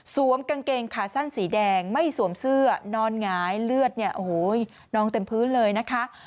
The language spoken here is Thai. กางเกงขาสั้นสีแดงไม่สวมเสื้อนอนหงายเลือดเนี่ยโอ้โหนองเต็มพื้นเลยนะคะ